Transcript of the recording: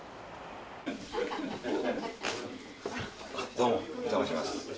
どうもお邪魔します。